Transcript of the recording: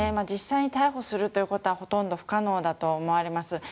実際に逮捕することはほとんど不可能だと思われます。